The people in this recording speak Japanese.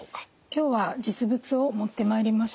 今日は実物を持ってまいりました。